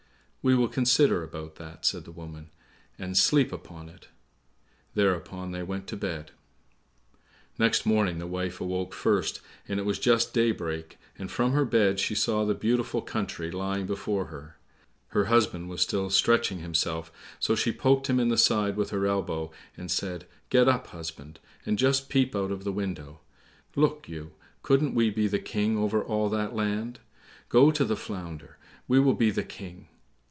"We will consider about that," said the woman, "and sleep upon it;" thereupon they went to bed. Next morning the wife awoke first, and it was just daybreak, and from her bed she saw the beautiful country lying before her. Her husband was still stretching himself, so she poked him in the side with her elbow, and said, "Get up, husband, and just peep out of the window. Look you, couldn't we be the King over all that land? Go to the Flounder, we will be the King."